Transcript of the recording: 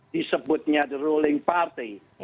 disebutnya the ruling party